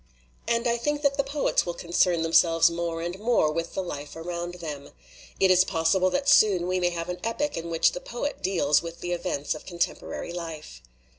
And I think that the poets will concern themselves more and more with the life around them. It is possible that soon we may have an epic in which the poet deals with the events of contemporary life."